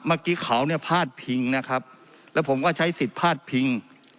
เมื่อกี้เขาเนี่ยพาดพิงนะครับแล้วผมก็ใช้สิทธิ์พาดพิง